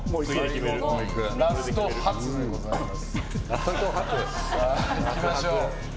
ラスト發でございます。